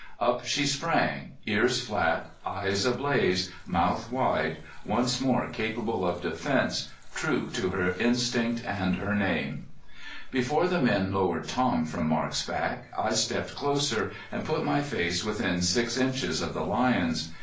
Up she sprang, ears flat, eyes ablaze, mouth wide, once more capable of defense, true to her instinct and her name. Before the men lowered Tom from Marc's back I stepped closer and put my face within six inches of the lion's.